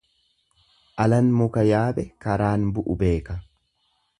Alan muka yaabe karaan bu'u beeka.